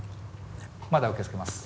まだ受け付けます。